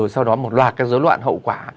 sau đó có một loạt gió loạn hậu quả